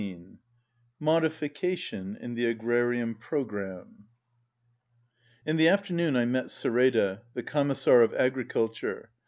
150 MODIFICATION IN THE AGRARIAN PROGRAMME In the afternoon I met Sereda, the Commissar of Agriculture.